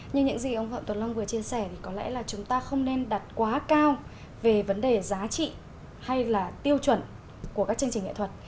như những gì ông phạm tuấn long vừa chia sẻ thì có lẽ là chúng ta không nên đặt quá cao về vấn đề giá trị hay là tiêu chuẩn của các chương trình nghệ thuật